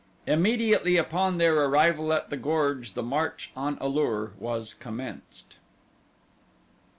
Immediately upon their arrival at the gorge the march on A lur was commenced.